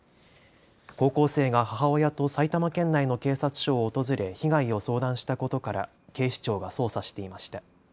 高校生が母親と埼玉県内の警察署を訪れ被害を相談したことから警視庁が捜査していました。